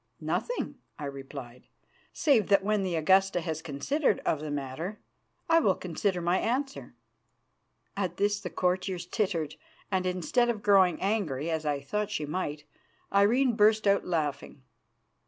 "Nothing," I replied, "save that when the Augusta has considered of the matter, I will consider of my answer." At this the courtiers tittered, and, instead of growing angry, as I thought she might, Irene burst out laughing.